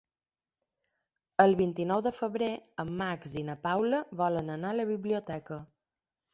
El vint-i-nou de febrer en Max i na Paula volen anar a la biblioteca.